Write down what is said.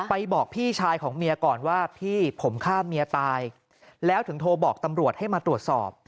บอกพี่ชายของเมียก่อนว่าพี่ผมฆ่าเมียตายแล้วถึงโทรบอกตำรวจให้มาตรวจสอบ